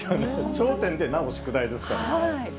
頂点でなお宿題ですからね。